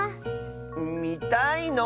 みたいの？